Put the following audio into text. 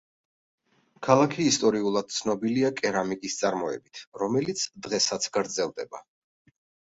ქალაქი ისტორიულად ცნობილია კერამიკის წარმოებით, რომელიც დღესაც გრძელდება.